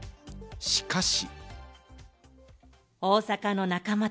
しかし。